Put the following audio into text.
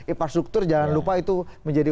infrastruktur jangan lupa itu menjadi